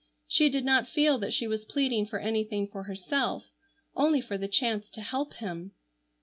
She did not feel that she was pleading for anything for herself, only for the chance to help him.